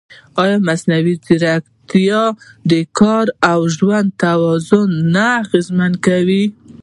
ایا مصنوعي ځیرکتیا د کار او ژوند توازن نه اغېزمنوي؟